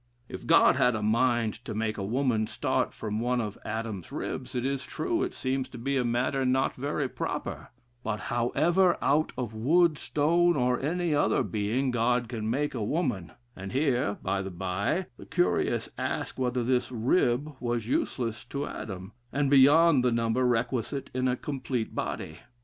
If God had a mind to make a woman start from one of Adam's ribs, it is true it seems to be a matter not very proper; but, however, out of wood, stone, or any other being God can make a woman; and here, by the bye, the curious ask whether this rib was useless to Adam, and beyond the number requisite in a complete body.